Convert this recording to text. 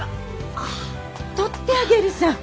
取ってあげるさぁ。